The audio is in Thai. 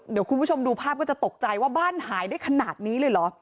เดี๋ยวคุณผู้ชมดูภาพก็จะตกใจว่าบ้านหายได้ขนาดนี้เลยเหรอ